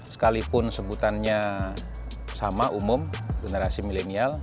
sekalipun sebutannya sama umum generasi milenial